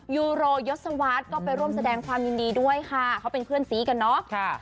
ยูโรยศวรรษก็ไปร่วมแสดงความยินดีด้วยค่ะเขาเป็นเพื่อนสีกันเนาะ